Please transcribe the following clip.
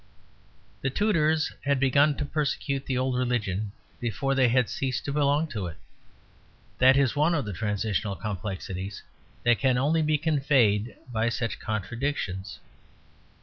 The Tudors had begun to persecute the old religion before they had ceased to belong to it. That is one of the transitional complexities that can only be conveyed by such contradictions.